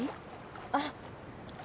あっ。